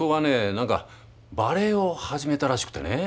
何かバレエを始めたらしくてね。